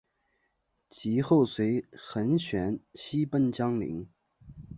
及后随桓玄西奔江陵。